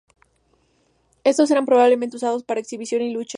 Estos eran probablemente usados para exhibición y luchas.